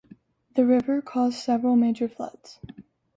The river caused several major floods.